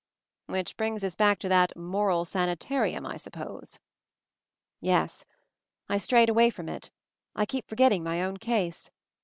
"Which brings us back to that 'moral sani tarium' I suppose?" "Yes. I strayed away from it. I keep forgetting my own case.